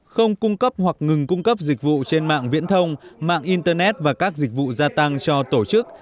không cung cấp hoặc ngừng cung cấp dịch vụ trên mạng viễn thông mạng internet và các dịch vụ gia tăng cho tổ chức